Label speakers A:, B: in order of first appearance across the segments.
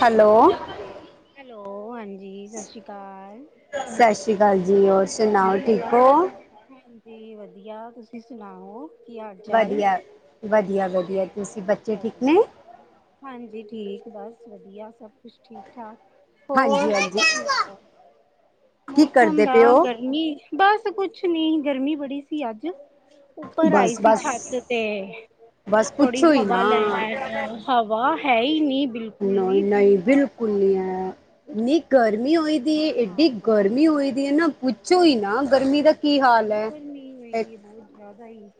A: Hello
B: hello, ਹਾਂਜੀ ਸਸ਼੍ਰੀ ਅਕਾਲ
A: ਸਸ਼੍ਰੀ ਅਕਾਲ ਜੀ, ਔਰ ਸੁਣਾਓ ਠੀਕ ਹੋ
B: ਹਾਂਜੀ ਵਧੀਆ ਤੁਸੀਂ ਸੁਣਾਓ ਕੀ ਹਾਲ
A: ਵਧੀਆ, ਵਧੀਆ, ਵਧੀਆ
B: ਚਾਲ-ਵਧੀਆ
A: ਤੁਸੀਂ
B: ਹਾਲ
A: ਬੱਚੇ
B: ਚਾਲ
A: ਠੀਕ ਨੇ?
B: ਹਾਂਜੀ ਠੀਕ ਬਸ ਵਧੀਆ ਸਭ ਕੁਛ ਠੀਕ- ਠਾਕ ਹੋਰ,
A: ਹਾਂਜੀ, ਹਾਂਜੀ
B: ਕੀ ਹਾਲ ਐ,
A: ਕੀ
B: ਮੌਸਮ
A: ਕਰਦੇ ਪਏ
B: ਬਾਹਰ
A: ਓ?
B: ਗਰਮੀ ਬਸ ਕੁਛ ਨੀ, ਗਰਮੀ ਬੜੀ ਸੀ ਅੱਜ ਉੱਪਰ ਆਈ
A: ਬਸ,
B: ਸੀ
A: ਬਸ,
B: ਛੱਤ ਤੇ
A: ਬਸ
B: ਥੋੜੀ
A: ਪੁੱਛੋ ਹੀ
B: ਹਵਾ
A: ਨਾ,
B: ਲੈਨ ਹਵਾ ਹੈ ਹੀ ਨੀ ਬਿਲ
A: ਨਹ-ਨਹੀਂ ਬਿਲਕੁਲ ਨੀ ਹੈ, ਇੰਨੀ ਗਰਮੀ ਹੋਈ ਦੀ
B: ਹਾਂ
A: ਐਡੀ
B: ਬਹੁਤ
A: ਗਰਮੀ ਹੋਈ ਦੀ ਹੈ ਨਾ ਪੁੱਛੋ ਹੀ ਨਾ ਗਰਮੀ ਦਾ ਕੀ ਹਾਲ ਹੈ। ਐ
B: ਜਿਆਦਾ ਹੀ,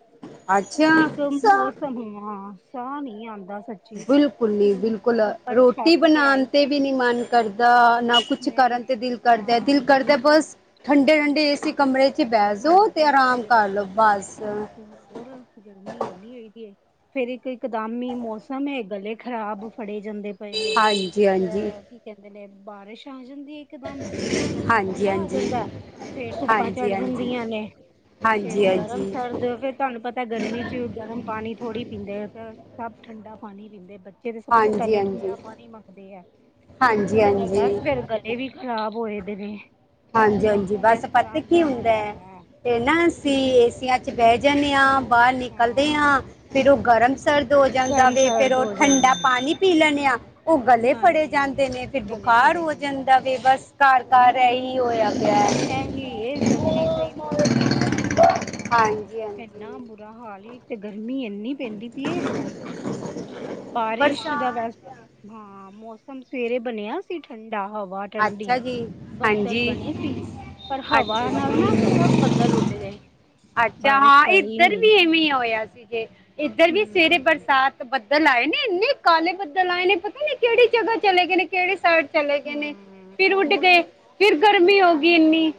B: ਇੱਕ
A: ਅੱਛਾ,
B: ਮੌਸਮ ਹ ਹਾਂ ਸਾਹ ਨੀ ਆਂਦਾ ਸੱਚ
A: ਬਿਲਕੁਲ ਨੀ ਬਿਲਕੁਲ ਰੋਟੀ
B: ਛੱਤ
A: ਬਣਾਉਣ
B: ਆਈ
A: ਤੇ
B: ਸੀ
A: ਵੀ ਨੀ ਮਨ ਕਰਦਾ, ਨਾ ਕੁਛ
B: ਮੈਂ
A: ਕਰਨ ਤੇ ਦਿਲ ਕਰਦਾ,
B: ਹਾਂ
A: ਦਿਲ ਕਰਦਾ ਬਸ ਠੰਡੇ-ਠੰਡੇ ਏਸੀ ਕਮਰੇ 'ਚ
B: ਬੈ
A: ਬਹਿਜੋ
B: ਹਾਂ
A: ਤੇ
B: ਬੈਠੇ
A: ਆਰਾਮ ਕਰ ਲੋ
B: ਰਹੋ
A: ਬਸ
B: ਤੇ ਹੋਰ ਗਰਮੀ ਇੰਨੀ ਹੋਦੀ ਹੈ, ਫਿਰ ਇੱਕ ਇਕਦਮੀ ਮੌਸਮ ਗਲੇ ਖ਼ਰਾਬ ਫੜੇ ਜਾਂਦੇ ਪਏ ਨੇ
A: ਹਾਂਜੀ ਹਾਂਜੀ
B: ਅ ਇੱਕ ਕਹਿੰਦੇ ਨੇ ਬਾਰਿਸ਼ ਆ ਜਾਂਦੀ ਇਕਦਮ, ਮੌਸਮ ਤੇ
A: ਹਾਂਜੀ ਹਾਂਜੀ
B: ਠੰਡਾ ਹੋ ਜਾਂਦਾ, ਫਿਰ ਧੁੱਪ
A: ਹਾਂਜੀ ਹਾਂਜੀ
B: ਚੜ
A: ਹਾਂਜੀ
B: ਜਾਂਦੀਆਂ ਨੇ, ਤੇ
A: ਹਾਂਜੀ
B: ਉਹ ਗਰਮ
A: ਹਾਂਜੀ
B: ਸਰਦ ਫਿਰ ਤੁਹਾਨੂੰ ਪਤਾ ਗਰਮੀ 'ਚ ਗਰਮ ਪਾਣੀ ਥੋੜ੍ਹੀ ਪੀਂਦੇ, ਸਭ ਠੰਡਾ ਪਾਣੀ ਪੀਂਦੇ ਬ ਜਿਹਦੇ ਸਭ ਤੋਂ ਪਹਿਲੇ
A: ਹਾਂਜੀ
B: ਠੰਡਾ ਪਾਣੀ ਮੰਗਦੇ ਐ, ਤੇ
A: ਹਾਂਜੀ
B: ਉਹਦੇ ਨਾਲ
A: ਹਾਂਜੀ
B: ਬਸ ਫੇਰ ਗੱਲ ਇਹ ਵੀ ਖ਼ਰਾਬ ਹੋਏ ਦੇ ਨੇ
A: ਹਾਂਜੀ-ਹਾਂਜੀ
B: ਮੌਸਮ
A: ਬਸ
B: ਇਸ ਤਰ੍ਹਾਂ
A: ਪਤਾ ਕੀ
B: ਦਾ
A: ਹੁੰਦਾ
B: ਹੈ
A: ਅਤੇ ਨਾ ਅਸੀਂ ਏਸੀਆਂ ਚ' ਬਹਿ ਜਾਂਨੇ ਆਂ। ਬਾਹਰ ਨਿਕਲਦੇ ਹਾਂ, ਫਿਰ ਉਹ ਗਰਮ ਸਰਦ ਹੋ ਜਾਂਦਾ
B: ਗਰਮ
A: ਵੇ ' ਫੇਰ
B: ਸਰਦ
A: ਉਹ
B: ਹੋ
A: ਠੰਡਾ
B: ਜਾਂਦਾ ਹੈ
A: ਪਾਣੀ ਪੀ ਲੈਣੇ ਆ, ਉਹ ਗਲੇ ਫੜੇ
B: ਹਾਂਜੀ
A: ਜਾਂਦੇ ਨੇ, ਫਿਰ
B: ਗਲੇ
A: ਬੁਖਾਰ
B: ਫੜੇ
A: ਹੋ ਜਾਂਦਾ ਵੇ ਬਸ ਤਾਰ -ਤਾਂਰ ਇਹੀ ਹੋਇਆ ਪਿਆ ਹੈ
B: ਐਹੀ ਇਹ ਸੱਚੀ ਸਹੀ ਬਹੁਤ ਸਹੀ ਗੱਲ ਤੁਹਾਡੀ।
A: ਹਾਂਜੀ
B: ਨਾ
A: ਹਾਂਜੀ
B: ਬੁਰਾ ਹਾਲ ਹੀ ਤੇ ਗਰਮੀ ਏਨੀ ਪੈਂਦੀ ਪਈ ਏ ਹਦ ਤੋਂ ਜ਼ਿਆਦਾ। ਬਾਰਿਸ਼ ਦਾ ਵੈਸ
A: ਬਰਸਾਤ
B: ਹਾਂ ਮੌਸਮ ਸਵੇਰੇ ਬਣਿਆ ਸੀ ਠੰਡਾ ਹਵਾ
A: ਅੱਛਾ
B: ਠੰਡੀ
A: ਜੀ।
B: ਬੱਦਲ
A: ਹਾਂਜੀ
B: ਬਣੇ ਸੀ, ਪਰ ਹਵਾ
A: ਅੱਛਾ
B: ਨਾਲ ਨਾ
A: ਜੀ
B: ਸਭ ਬੱਦਲ ਉੱਡ ਗਏ।
A: ਅੱਛਾ
B: ਬਾਰਿਸ਼
A: ਹਾਂ,
B: ਪਈ
A: ਇੱਧਰ
B: ਨੀ
A: ਵੀ ਇਵੇਂ ਹੋਇਆ ਸੀਗੇ, ਇੱਧਰ ਵੀ ਸਵੇਰੇ
B: ਹੂੰ
A: ਬਰਸਾਤ ਬੱਦਲ ਆਏ ਨੇ, ਇੰਨੇ ਕਾਲੇ ਬੱਦਲ ਆਏ ਨੇ, ਪਤਾ ਨੀ ਕਿਹੜੀ ਜਗ੍ਹਾ ਚਲੇ ਗਏ ਨੇ। ਕਿਹੜੀ ਸਾਈਡ ਚਲੇ ਗਏ ਨੇ?
B: ਹੂੰ
A: ਫੇਰ ਉੱਡ ਗਏ,
B: ਉਹੀ
A: ਫਿਰ ਗਰਮੀ ਹੋ ਗਈ ਇੰਨੀ,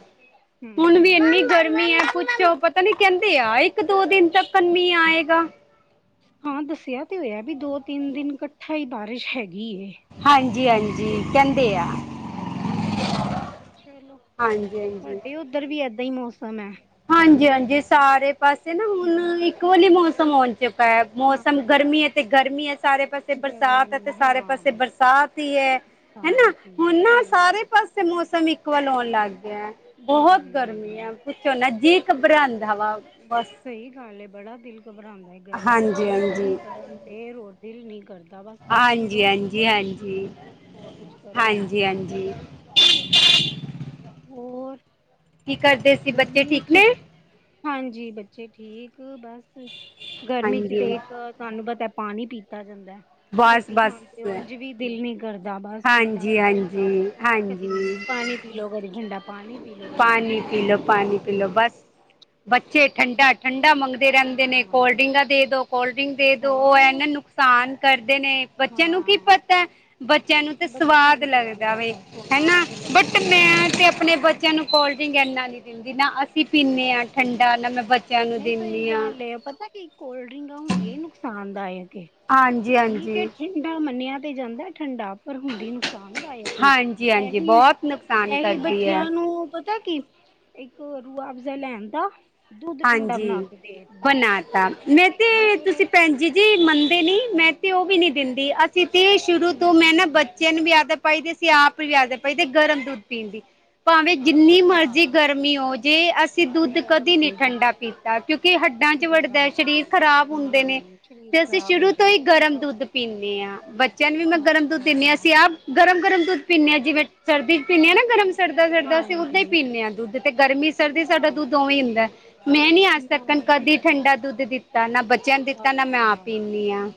A: ਹੁਣ ਵੀ
B: ਹੂੰ
A: ਇੰਨੀ ਗਰਮੀ ਹੈ, ਪੁੱਛੋ ਪਤਾ ਨੀ ਕਹਿੰਦੇ ਆ ਇੱਕ ਦੋ ਦਿਨ ਤੱਕ ਮੀਹ ਆਏਗਾ।
B: ਹਾਂ ਦੱਸਿਆ ਤੇ ਹੋਇਆ ਵੀ ਦੋ ਤਿੰਨ ਦਿਨ ਇਕੱਠਾ ਹੀ ਬਾਰਿਸ਼ ਹੈਗੀ ਏ।
A: ਹਾਂਜੀ- ਹਾਂਜੀ
B: ਦੇਖੋ
A: ਕਹਿੰਦੇ ਆ।
B: ਹਾਂਜੀ, ਚਲੋ
A: ਹਾਂਜੀ ਹਾਂਜੀ
B: ਤੁਹਾਡੇ ਉਧਰ ਵੀ ਏਦਾਂ ਹੀ ਮੌਸਮ ਹੈ?
A: ਹਾਂਜੀ
B: ਗਰਮੀ
A: -ਹਾਂਜੀ ਸਾਰੇ ਪਾਸੇ ਨਾ
B: ਹਾਂ
A: ਹੁਣ ਇੱਕੋ ਹੀ ਮੌਸਮ ਆਉਣ ਚ
B: ਹਾਂ
A: ਮੌਸਮ ਗਰਮੀ ਹੈ ਤੇ ਗਰਮੀ ਹੈ ਸਾਰੇ ਪਾਸੇ ਤੇ ਬਰਸਾਤ ਹੈ ਤੇ
B: ਗਰਮੀ
A: ਸਾਰੇ ਪਾਸੇ
B: ਹਾਂ
A: ਬਰਸਾਤ ਹੀ ਹੈ, ਹਨਾ
B: ਹਾਂ ਸਹੀ
A: ਹੁ ਨਾ ਸਾਰੇ
B: ਗੱਲ
A: ਪਾਸੇ ੇ ਮ ਮੌਸਮ ਇਕੁਵਲ ਹੋਣ ਲਗ ਗਿਆ, ਬਹੁਤ ਗਰਮੀ ਹੈ
B: ਹੂੰ
A: ਝੋ ਨਾ ਜੀਅ ਘਬਰਾਉਂਦਾ ਵਾ ਬਸ।
B: ਸਹੀ ਗਲ ਏ, ਬੜਾ ਦਿਲ ਘਬਰਾਉਂਦਾ ਹੈ, ਗਰਮੀ
A: ਹਾਂਜੀ
B: ਤੇ ਕੰਮ
A: ਹਾਂਜੀ
B: ਕਰਨ ਤੇ ਰੋ ਦਿਲ ਨਹੀਂ ਕਰਦਾ। ਬਸ ਬੈਠੇ
A: ਹਾਂਜੀ
B: ਰਹੋ
A: -ਹਾਂਜੀ- ਹਾਂਜੀ
B: ਹੋਰ ਕੁਛ ਕਰੋ ਹੀ ਨਾ
A: -ਹਾਂਜੀ ਹਾਂਜੀ! [unintelligible]
B: ਹੋਰ
A: ਕੀ ਕਰਦੇ? ਸੀ ਬੱਚੇ
B: ਗਰਮੀ
A: ਠੀਕ
B: ਚ,
A: ਨੇ
B: ਹਾਂਜੀ ਬੱਚੇ ਠੀਕ ਬਸ ਗਰਮੀ ਚ
A: ਹਾਂਜੀ
B: ਤੇ ਇੱਕ ਤੁਹਾਨੂੰ ਪਤਾ ਪਾਣੀ ਪੀਤਾ ਜਾਂਦਾ।
A: ਬਸ
B: ਰੋਟੀ
A: ਬਸ
B: ਖਾਣ ਪਓ ਓਂਜ ਵੀ ਦਿਲ ਨੀ ਕਰਦਾ, ਬਸ ਠੰਡਾ
A: ਹਾਂਜੀ
B: ਪੀ ਵੀ ਜਾਓ
A: ਹਾਂਜੀ
B: ਕਦੀ ਨ
A: ਹਾਂਜੀ
B: ਪਾਣੀ ਪੀ ਲਓ ਕਦੀ ਠੰਡਾ ਪਾਣੀ ਪੀ ਲੋ, ਕਦੀ ਜੂਸ
A: ਪਾਣੀ ਪੀ ਲਓ
B: ਲੋ ਕਦੀ
A: ਪਾਣੀ ਪੀ
B: ਕੁਛ
A: ਲਓ ਬਸ। ਬੱਚੇ ਠੰਡਾ- ਠੰਡਾ ਮੰਗਦੇ ਰਹਿੰਦੇ ਨੇ, ਕੋਲਡ
B: ਹਾਂ
A: ਡਰਿੰਗਾਂ ਦੇ ਦੋ ਕੋਲਡ ਡਰਿੰਕ ਦੇ ਦੋ ਉਹ
B: ਹੋਰ
A: ਇਹਨਾਂ ਨੂੰ ਾਨ ਕਰਦੇ ਨੇ ਬੱਚਿਆਂ ਨੂੰ ਕੀ
B: ਹਾਂ
A: ਪਤਾ ਬੱਚਿਆਂ ਨੂੰ ਤਾਂ
B: ਬੱਚਿਆਂ
A: ਸਵਾਦ
B: ਨੂੰ ਥੋੜ੍ਹੀ
A: ਲੱਗਦਾ ਵੇ
B: ਪਤਾ
A: ਹਨਾ,
B: ਸਵਾਦ ਲੱਗਦੇ
A: ਬਟ ਮੈਂ
B: ਹੂੰ
A: ਤੇ ਆਪਣੇ ਬੱਚਿਆਂ ਨੂੰ ਕੋਲਡ ਡਰਿੰਕ ਇੰਨਾ ਨਹੀਂ ਦਿੰਦੀ, ਨਾ ਅਸੀਂ ਪੀਂਦੇ ਹਾਂ ਠੰਡਾ, ਨਾ ਮੈਂ ਬੱਚ
B: ਨਹੀਂ ਸਹੀ ਗੱਲ ਏ ਪਤਾ ਕੀ ਕੋਲਡ ਡਰਿੰਕਾਂ ਹੁੰਦੀਆਂ ਨੁਕਸਾਨਦਾਇਕ ਏ
A: ਹਾਂਜੀ
B: ਠੀਕ ਏ
A: ਹਾਂਜੀ
B: ਠੰਡਾ ਮੰਨਿਆ ਤੇ ਜਾਂਦਾ ਠੰਡਾ ਪਰ ਹੁੰਦੀ ਨੁਕਸਾਨਦਾਇਕ ਹੀ,
A: ਹਾਂਜੀ ਹਾਂਜੀ
B: ਇਹੀ
A: ਬਹੁਤ ਨੁਕਸਾਨ
B: ਇਹ
A: ਕਰਦੀ ਹੈ
B: ਬੱਚਿਆਂ ਨੂੰ ਪਤਾ ਕੀ ਇੱਕ ਰੂਆਫ਼ਜ਼ਾ ਲੈਣ ਦਾ ਦੁੱਧ ਠੰਡਾ
A: ਹਾਂਜੀ,
B: ਬਣਾ ਕੇ ਦੇ ਦਿੱਤਾ
A: ਬਣਾ ਤਾ ਮੈਂ ਤੇ
B: ਹੋਰ
A: ਤੁਸੀਂ ਭੈਣ ਜੀ ਜੀ ਮੰਨਦੇ ਨੀ, ਮੈਂ ਤੇ ਉਹ ਵੀ ਨਹੀਂ ਦਿੰਦੀ, ਅਸੀਂ ਤੇ ਸ਼ੁਰੂ ਤੋਂ
B: ਹੂੰ
A: ਮੈਂ ਨਾ ਬੱਚ ਤੈਨ ਵੀ ਆਦਤ ਪਾਈ ਤੇ ਅਸੀ ਆਪ ਵੀ ਆਦਤ ਪਾਈ ਤੇ ਗਰਮ ਦੁਧ ਪੀਣ ਦੀ, ਭਾਵੇਂ ਜਿੰਨੀ
B: ਅੱਛਾ
A: ਮਰਜ਼ੀ ਗਰਮੀ ਹੋ ਜੇ ਅਸੀਂ
B: ਤੇ
A: ਦੁੱਧ
B: ਗਰਮ
A: ਕਦੀ ਨੀ
B: ਦੁੱਧ
A: ਠੰਡਾ ਪੀਤਾ ਕਿਉਂਕਿ ਹੱਡਾਂ ਚ ਵੜਦੈ,
B: ਗਰਮ
A: ਸ਼ਰੀਰ ਖ਼ਰਾਬ ਹੁੰਦੇ ਨੇ,
B: ਹੂੰ ਸਰੀਰ
A: ਤੇ ਅਸੀਂ
B: ਖ਼ਰਾਬ
A: ਸ਼ੁਰੂ
B: ਹੁੰਦੇ
A: ਤਾਂ ਈ
B: ਨੇ
A: ਗਰਮ ਦੁੱਧ ਪੀਂਨੇ ਆ, ਬੱਚਿਆਂ ਨੂੰ ਵੀ ਮੈਂ ਗਰਮ ਦੁੱਧ ਦੇੱਨੀ ਆ
B: ਅੱਛਾ
A: ਅਸੀਂ ਆਪ ਗਰਮ-ਗਰਮ ਦੁੱਧ ਪੀਂਣੇ ਆਂ ਜਿਵੇਂ ਸਰਦੀ ਚ ਪੀਂਣੇ ਆ ਨਾ ਗਰਮ ਸੜਦਾ-ਸੜਦਾ ਅਸੀਂ ਉੱਦਾਂ ਈ
B: ਹਾਂਜੀ
A: ਪੀਂਣੇ ਆਂ ਦੁੱਧ ਤੇ ਗਰਮੀ-ਸਰਦੀ ਸਾਡਾ
B: ਅੱਛਾ
A: ਦੁੱਧ ਉਵੇ ਈ ਹੁੰਦਾ ਮੈਂ ਨੀ ਆਜ ਤਕਣ
B: ਨਾ ਅਸੀਂ
A: ਕਦੀ
B: ਤੇ
A: ਠੰਡਾ ਦੁੱਧ ਦਿੱਤਾ ਨਾ ਬੱਚ ਜੈ ਦਿੱਤਾ ਨਾ ਮੈਂ ਆਪ
B: ਅੱਛਾ
A: ਪੀਂਣੀ ਆਂ,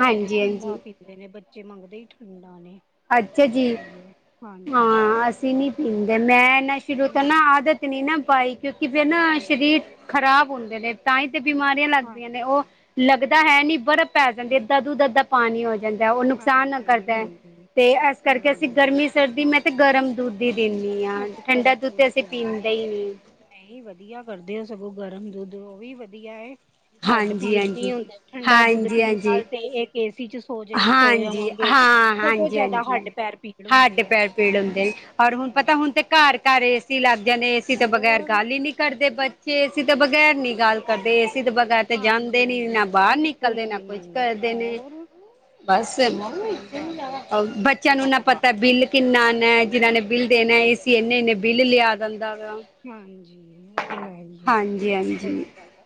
A: ਹਾਂਜੀ-ਹਾਂਜੀ
B: ਮੇਰੇ ਬੱਚੇ ਮੰਗਦੇ ਈ ਠੰਡਾ ਨੇ
A: ਅੱਛਾ
B: ਕੀ
A: ਜੀ,
B: ਕਰੀਏ ਹਾਂਜੀ
A: ਹਾਂ ਅਸੀਂ ਨੀ ਪੀਂਦੇ ਮੈਂ ਨਾ ਸ਼ੁਰੂ ਤੋਂ
B: ਹਮ,
A: ਨਾ ਆਦਤ ਨੀ ਨਾ ਪਾਈ ਕਿਉਂਕਿ ਫੇਰ ਨਾ ਸ਼ਰੀਰ ਖ਼ਰਾਬ ਹੋਂਦੇ ਨੇ ਤਾਂਈ ਤੇ ਬਿਮਾਰੀ ਫੇਰ ਲੱਗਦੀਆਂ ਨੇ, ਓਹ
B: ਹਾਂਜੀ
A: ਲੱਗਦਾ ਹੈ ਨੀ ਬਰਫ਼ ਪੈ ਜਾਂਦੀ ਏ, ਦਾ ਦੁੱਧ ਅੱਦਾ ਪਾਣੀ ਹੋ ਜਾਂਦੈ, ਉਹ ਨੁਕਸਾਨ
B: ਹਾਂਜੀ
A: ਕਰਦੈ,
B: ਹਾਂਜੀ
A: ਤੇ ਐਸ ਕਰਕੇ ਅਸੀਂ
B: ਹੂੰ
A: ਗਰਮੀ-ਸਰਦੀ ਮੈਂ ਕੇਆ ਗਰਮ ਦੁੱਧ ਦੇ ਦੇਣੀ ਆਂ, ਠੰਡਾ ਦੁੱਧ ਤੇ ਅਸੀਂ ਪੀਂਦੇ ਈ ਨੀਂ।
B: ਨਈ, ਵਧੀਆ ਕਰਦੇ ਓ ਸਗੋਂ ਗਰਮ ਦੁੱਧ ਓਵੀ ਵਧੀਆ ਐ। ਹੱਡ
A: ਹਾਂਜੀ
B: ਪੀੜ ਨੀ
A: ਹਾਂਜੀ
B: ਹੁੰਦੇ ਠੰਡਾ ਦੁੱਧ
A: ਹਾਂਜੀ
B: ਪੀਣ
A: ਹਾਂਜੀ
B: ਨਾਲ ਤੇ ਏਹ ਏ ਸੀ ਚ ਸੋ ਜਈ ਸੋ
A: ਹਾਂਜੀ
B: ਜਾਵਾਂਗੇ
A: ਹਾਂ
B: ਸਗੋਂ
A: ਹਾਂਜੀ
B: ਜ਼ਿਆਦਾ
A: ਹਾਂਜੀ
B: ਹੱਡ ਪੈਰ ਪੀੜ
A: ਹੱਡ
B: ਹੁੰਦੇ ਐ।
A: ਪੈਰ ਪੀੜ ਹੁੰਦੇ ਈ, ਔਰ ਪਤਾ ਹੁਣ ਤਾਂ ਘਰ-ਘਰ ਏਸੀ ਲੱਗ ਗਏ ਨੇ, ਏਸੀ ਤੋਂ ਬਗੈਰ ਤਾਂ
B: ਹੋਰ
A: ਗੱਲ ਈ ਨੀ। ਕਰਦੇ ਬੱਚੇ ਏਸੀ ਤੋਂ ਬਗੈਰ ਨੀ ਗੱਲ ਕਰਦੇ, ਏਸੀ ਤੋਂ ਬਗ ਘਾਰ ਤੇ ਜਾਂਦੇ
B: ਹਾਂਜੀ
A: ਨੀ,
B: ਹਾਂਜੀ
A: ਨਾ ਬਾਰ ਨਿਕਲਦੇ
B: ਬਿਲਕੁਲ
A: ਨੇ, ਨਾ
B: ਵੀ
A: ਕੁਝ
B: ਨੀ
A: ਕਰਦੇ ਨੇ।
B: ਹੋਰ
A: ਬਸ ਏ ਬੋ,
B: ਸਹੀ ਗੱਲ ਏ।
A: ਅ ਬਟ ਚਾਨੂੰ ਇੱਨਾ ਪਤਾ, ਬਿੱਲ ਕਿੰਨਾ ਆਨੈ? ਜਿਨਾ ਨੇ ਬਿੱਲ ਦੇਣਾ, ਏ ਸੀ ਏੱਨੇ-ਏੱਨੇ੍
B: ਹੂੰ।
A: ਬਿੱਲ ਲੇਆ ਦੇਂਦਾ ਵਾ।
B: ਹਾਂਜੀ [unintelligible] ਬਿਲਕੁਲ ਸਈ ਗੱਲ ਐ।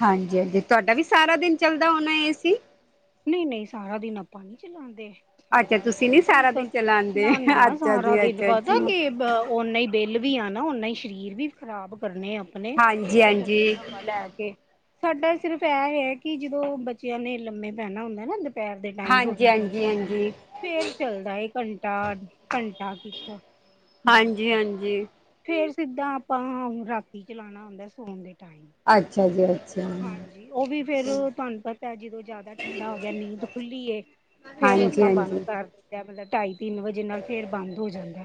A: ਹਾਂਜੀ-ਹਾਂਜੀ, ਤੁਆਡਾ ਵੀ ਸਾਰਾ ਦਿਨ ਚੱਲਦਾ ਹੋਣੈ ਏ ਸੀ।
B: ਨਈ-ਨਈ, ਸਾਰਾ ਦਿਨ ਆਂਪਾ ਨਹੀਂ ਚਲਾਂਦੇ।
A: ਅੱਛਾ
B: ਸਾਡਾ
A: ਤੁਸੀਂ ਨੀ
B: ਚੱਲਦਾ ਹੀ
A: ਸਾਰਾ
B: ਤਾਂ,
A: ਦਿਨ ਚਲਾਉਂਦੇ
B: ਨਾ-ਨਾ
A: ਅੱਛਾ
B: ਸਾਰਾ
A: ਜੀ
B: ਦਿਨ
A: ਅੱਛਾ
B: ਪਤਾ
A: ਜੀ
B: ਕੀ ਏ ਬ ਔਨਾ ਈ ਬਿੱਲ ਵੀ ਆਣਾ, ਔਨਾ ਈ ਸ਼ਰੀਰ ਵੀ ਖ਼ਰਾਬ ਕਰਨੇ ਆਂ। ਆਪਣੇ
A: ਹਾਂਜੀ
B: ਠਂਡੀ ਹਵਾ ਲੈ ਕੇ ਸਾਡਾ ਸਿਰਫ਼ ਐ ਹੈ ਕਿ ਜਦੋਂ ਬੱਚਿਆਂ ਨੇ ਲੰਮੇ ਪੈਨਾ ਹੁੰਦੇ ਨਾ ਦੋਪ ਦੁਪੈਹਰ ਦੇ ਟਾਈਮ
A: ਹਾਂਜੀ ਹਾਂਜੀ ਹਾਂਜੀ
B: ਰੋਟੀ ਤੋਂ ਬਾਦ।
A: ਹਾਂਜੀ
B: ਫੇਰ ਚੱਲਦਾ ਏ, ਘੰਟਾ-ਘੰਟਾ ਠੀਕ ਆ
A: ਹਾਂਜੀ
B: ਬਸ।
A: ਹਾਂਜੀ
B: ਫੇਰ ਸਿੱਧਾ ਆਪਾਂ ਰਾਤੀ ਚਲਾਣਾ ਹੂਂਦੈ ਸੌਣ ਦੇ ਟਾਈਮ।
A: ਅੱਛਾ ਜੀ ਅੱਛਾ
B: ਹਾਂਜੀ ਓ ਵੀ ਫੇਰ ਤੁਹਾਨੂੰ ਪਤਾ ਹੈ ਜਦੋਂ ਜ਼ਿਆਦਾ ਠੰਢਾ ਹੋ ਗਿਆ ਨੀਂਦ ਖੁੱਲੀ ਏ, ਫੇਰ
A: ਹਾਂਜੀ
B: ਆਂਪਾ ਬੰਦ
A: ਹਾਂਜੀ
B: ਕਰ ਦਿੰਤੈ ਮਤਲਬ ਢਾਈ ਤਿੰਨ ਵਜੇ। ਜੇ ਨਾਲ ਫੇਰ ਬੰਦ ਹੋ ਜਾਂਦੈ,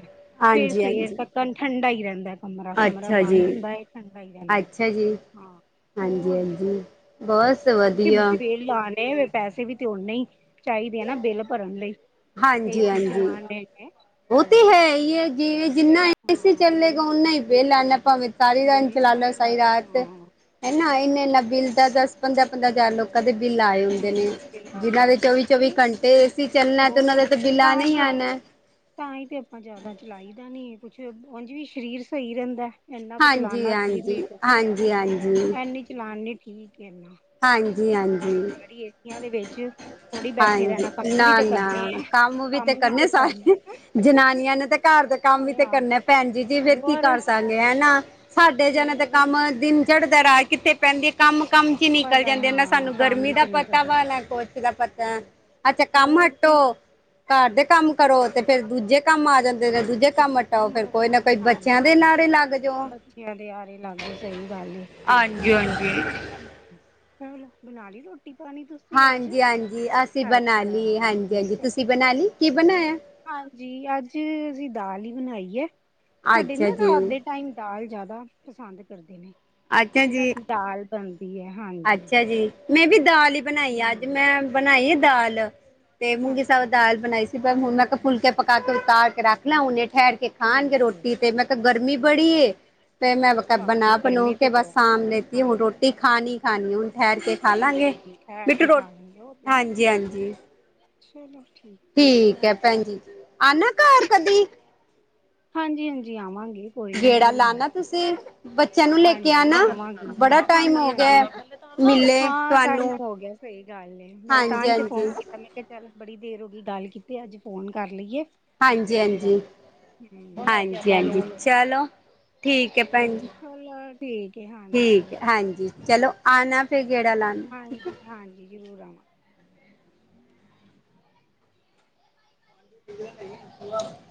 B: ਫੇਰ ਸਵੇਰ
A: ਹਾਂਜੀ
B: ਤੱਕਨ ਠੰਢਾ ਈ ਰੈਹੰਦੈ। ਕਮਰਾ-ਕਮਰਾ
A: ਅੱਛਾ ਜੀ
B: ਬੰਦ ਹੋਦਾਂ ਏ ਠੰਢਾ ਈ ਰਹਿੰਦੈ ਹਾਂ। ਹੋਰ
A: ਹਾਂਜੀ-ਹਾਂਜੀ ਬਸ ਵਦੀਆ।
B: ਲਾਣੇ ਵੇ ਪੈਸੇ ਵੀ ਤੇ ਓਨੇ ਈ। ਚਾਈਦੇ ਐ ਨਾ, ਬਿੱਲ ਭਰਨ ਲਈ, ਏਸੀ ਚਲਾਉਣਡੇ ਨੇ।
A: ਓਤੇ
B: ਹੋਰ
A: ਹੈ ਈ ਏ, ਜਿਂਵੇ ਜਿੰਨਾ ਏਸੀ
B: ਹਾਂ
A: ਚੱਲੇਗਾ, ਓਨਾ ਈ ਬਿਲ ਆਣੈ ਭਾਂਵੇ ਸਾਰੀ ਰਾਤ ਏਸੀ
B: ਬਿੱਲ
A: ਚੱਲਾਲੋ
B: ਆਏਗਾ
A: ਸਾਰੀ ਰਾਤ
B: ਹਾਂ
A: ਹੈਨਾ, ਏਨਾ ਏਨਾ ਬਿਲ ਦੱਸ-ਦਸ, ਪੰਦਰਾਂ-ਪੰਦਰਾ ਹਜ਼ਾਰ ਲੋਕ ਤਦੇ ਬਿਲ ਆਏ ਹੁੰਦੇ ਨੇ।
B: ਹੂੰ ਬਿੱਲ ਆਏ
A: ਜਿਨਾਂ ਦੇ
B: ਹੁੰਦੇ ਨੇ ਉਹ
A: ਚੌਵੀ-ਚੌਵੀ
B: ਕੋਈ
A: ਘੰਟੇ ਏਸੀ ਚੱਲਣਾ ਤੇ ਉਨਾਂ ਦਾ
B: ਹੋਰ
A: ਤਾਂ ਬਿੱਲਾ ਆਣਾ
B: ਹੀ
A: ਈ
B: ਤੇ
A: ਆਣਾ।
B: ਤਾਂ ਈ ਤੇ ਆਪਾ ਜ਼ਿਆਦਾ ਚਲਾਈਦਾ ਨੀ ਕੁਝ ਓਝਂ ਵੀ ਸ਼ਰੀਰ ਸਹੀ ਰੈਹੰਦੈ। ਐਨਾ ਕੁ
A: ਹਾਂਜੀ
B: ਚਲਾਣਾ
A: ਹਾਂਜੀ
B: ਲਿਮਿਟ ਐ,
A: ਹਾਂਜੀ ਹਾਂਜੀ
B: ਐਨੀ ਚਲਾਨੀ ਠੀਕ ਏ।
A: ਹਾਂਜੀ ਹਾਂ।
B: ਸਾਰੀ ਦਿਹਾੜੀ ਰੇਤੀਆਂ ਦੇ ਵਿੱਚ। ਬੈਠੇ
A: ਹਾਂਜੀ
B: ਰਹਿਣਾ ਕੰਮ ਵੀ ਤੇ
A: ਨਾ-ਨਾ,
B: ਕਰਨੇ ਹੈ
A: ਕੰਮ ਵੀ ਤੇ ਕਰਨੇ ਸਾਰੇ ਜਨਾਨੀਆਂ ਨੇ ਤ- ਘਰ ਦੇ ਕੰਮ ਵੀ ਤੇ
B: ਹਾਂ
A: ਕਰਨੇ ਭੈਣ ਜੀ-ਜੀ ਫੇਰ ਕੀ
B: ਹੋਰ
A: ਕਰ ਸਕ- ਨੇ ਹੈ ਨਾ, ਸਾਡੇ ਤਾਂ
B: ਹੋਰ
A: ਕੰਮ ਦਿਨ ਚੜਦੇ ਰਾਤ ਕਿੱਥੇ - ਪੈਂਦੀ ਐ ਕੰਮ- ਕੰਮ ਚ ਨਿਕਲ
B: ਪਤਾ
A: ਜਾਂਦੇ ਆ ਨਾ
B: ਹਾਂ
A: ਸਾਨੂੰ
B: ਕੰਮ
A: ਗਰਮੀ
B: ਵਿੱਚ
A: ਦਾ
B: ਨਿਕਲ
A: ਪਤਾ ਵਾ
B: ਜਾਂਦੇ
A: ਨਾ ਕੁਛ ਦਾ ਪਤਾ। ਅੱਛਾ ਕੰਮ
B: ਹੋਰ
A: ਹਟੋ
B: ਕੀ
A: ਘਰ ਦੇ ਕੰਮ ਕਰੋ ਫੇਰ ਦੂਜੇ- ਕੰਮ ਆ ਜਾਂਦੇ ਜੇ ਦੂਜੇ ਕਾਮ
B: ਸਿੱਧੇ
A: ਹਟੋ
B: ਕੰਮ ਆ
A: ਫੇਰ ਕੋਈ ਨਾ
B: ਜਾਂਦੇ
A: ਕੋਈ
B: ਨੇ
A: ਬੱਚਿਆਂ
B: ਹਾਂਜੀ
A: ਦੇ
B: ਹਾਂ
A: ਨਾਲ ਈ ਲੱਗ ਜਾਓ।
B: ਬੱਚਿਆਂ ਦੇ ਆਹਰੇ ਲੱਗ ਜਾਓ, ਸਹੀ ਗੱਲ ਹੈ।
A: ਹਾਂਜੀ- ਹਾਂਜੀ।
B: ਚਲੋ ਬਣਾ ਲਈ ਰੋਟੀ ਪਾਣੀ ਤੁਸੀ?
A: ਹਾਂਜੀ- ਹਾਂਜੀ ਅਸੀਂ ਬਣਾ ਲਈ ਹਾਂਜੀ-ਹਾਂਜੀ ਤੁਸੀਂ
B: ਚਲੋ
A: ਬਣਾ ਲਈ?
B: ਠੀਕ
A: ਕੀ
B: ਹੈ ਜੀ।
A: ਬਣਾਇਆ?
B: ਹਾਂਜੀ ਅੱਜ ਅਸੀਂ ਦਾਲ ਹੀ ਬਣਾਈ ਹੈ। ਸਾਡੇ
A: ਅੱਛਾ
B: ਨਾ
A: ਜੀ
B: ਰਾਤ ਦੀ - ਤਾਂ ਹੀ ਦਾਲ ਜਿਆਦਾ ਪਸੰਦ ਕਰਦੇ ਨੇ
A: ਅੱਛਾ
B: ਸਾਡੇ
A: ਜੀ
B: ਰਾਤੀ ਦਾਲ ਬਣਦੀ ਹੈ, ਹਾਂ।
A: ਅੱਛਾ ਜੀ ਮੈਂ ਵੀ ਦਾਲ ਹੀ ਬਣਾਈ ਆ ਅੱਜ,
B: ਹਮ
A: ਮੈਂ ਬਣਾਈ ਆ ਦਾਲ। ਤੇ ਮੂੰਗੀ ਸਾਬਤ
B: ਅੱਛਾ
A: ਦਾਲ ਬਣਾਈ ਸੀ ਪਰ ਹੁਣ ਮੈਂ ਕ ਫੁਲਕੇ ਪਕਾ ਕੇ ਉਤਾਰ ਕੇ ਰੱਖ ਲਾ ਉਹਨੇ ਠਹਿਰ - ਕੇ
B: ਠੀਕ
A: ਖਾਣਗੇ
B: ਹੈ।
A: ਰੋਟੀ ਤੇ ਮੈਂ ਕਿਹਾ ਗਰਮੀ ਬੜੀ ਐ। ਤੇ ਮੈਂ ਕ
B: ਬਾਕੀ
A: ਬਣਾ ਬਨੂੰ
B: ਗਰਮੀ ਤੇ
A: ਕੇ ਬਸ
B: ਬਹੁਤ
A: ਸਾਭ ਲੈਤੀ ਹੂੰ,
B: ਹਾਂਜੀ
A: ਰੋਟੀ ਖਾਣੀ- ਖਾਣੀ ਹੂਨ ਠਹਿਰ ਕੇ। ਖਾ ਲਾਂਗੇ
B: ਹਮ ਠਹਿਰ
A: ਮਿੱਠੂ
B: ਕੇ
A: ਰੋ
B: ਖਾ ਲਾਂਗੇ ਉਹ ਤੇ
A: ਹਾਂਜੀ- ਹਾਂਜੀ।
B: ਚਲੋ ਠੀਕ।
A: ਠੀਕ ਹੈ ਭੈਣ ਜੀ ਆਣਾ ਘਰ ਕਦੀ।
B: ਹਾਂਜੀ- ਹਾਂਜੀ ਆਵਾਂਗੇ ਕੋਈ ਨੀ ਜ਼ਰੂਰ ਆਵਾਂਗੇ।
A: ਫਿਰ।
B: ਹਾਂਜੀ ਆਵਾਂਗੀ
A: ਟਾਈਮ
B: ਹਾਂਜੀ-
A: ਹੋ
B: ਹਾਂਜੀ।
A: ਗਿਆ ਮਿਲੇ
B: ਹਾਂ ਤਾਂ ਹੀ
A: ਤੁਹਾਨੂੰ
B: ਹੋ ਗਿਆ ਸਹੀ ਗੱਲ ਏ ਮੈਂ
A: ਹਾਂਜੀ
B: ਤਾਂਹੀ ਤੇ
A: ਹਾਂਜੀ
B: ਫੋਨ ਕੀਤਾ ਮੈਂ ਕਿਹਾ ਚੱਲ ਬੜੀ ਦੇਰ ਹੋ ਗਈ ਗੱਲ ਕੀਤੀਆਂ ਅੱਜ ਫੋਨ ਕਰ ਲਈਏ।
A: ਹਾਂਜੀ-
B: ਜਰਾ
A: ਹਾਂਜੀ,
B: ਹੂੰ
A: ਹਾਂਜੀ- ਹਾਂਜੀ ਚਲੋ। ਠੀਕ ਹੈ ਭੈਣ ਜੀ,
B: ਚਲੋ ਠੀਕ ਏ
A: ਠੀਕ
B: ਹਾਂਜੀ
A: ਹੈ ਹਾਂਜੀ। ਚਲੋ ਆਉਣਾ ਫੇਰ ਗੇੜਾ ਲਾਉਣ।
B: ਹਾਂਜੀ- ਹਾਂਜੀ ਜ਼ਰੂਰ ਆਵਾਂਗੇ।
A: [unintelligible]